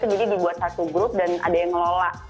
jadi dibuat satu grup dan ada yang ngelola